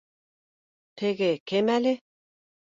Теге кем әле